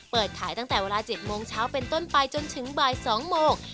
เปิดขายตั้งแต่เวลา๗โมงเช้าเป็นต้นไปจนถึงบ่าย๒โมง